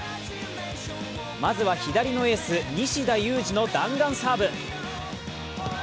まずは左のエース、西田有志の弾丸サーブ。